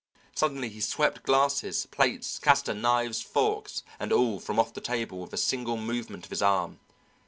Suddenly he swept glasses, plates, castor, knives, forks, and all from off the table with a single movement of his arm.